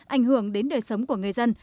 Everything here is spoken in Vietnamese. ảnh hưởng đến đời sống của người dân